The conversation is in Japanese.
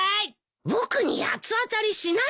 僕に八つ当たりしないでよ。